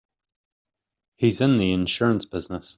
He's in the insurance business.